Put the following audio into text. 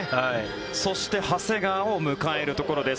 そして長谷川を迎えるところです。